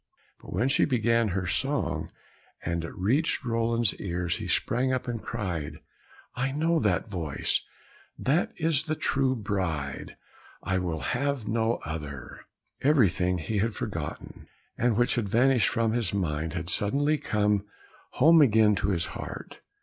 But when she began her song, and it reached Roland's ears, he sprang up and cried, "I know the voice, that is the true bride, I will have no other!" Everything he had forgotten, and which had vanished from his mind, had suddenly come home again to his heart.